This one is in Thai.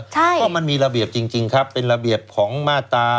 เพราะมันมีระเบียบจริงครับเป็นระเบียบของมาตรา